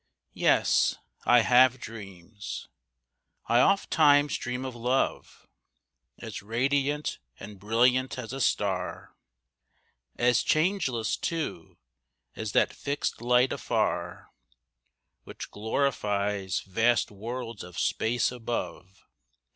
Yes, I have dreams. I ofttimes dream of Love As radiant and brilliant as a star. As changeless, too, as that fixed light afar Which glorifies vast worlds of space above.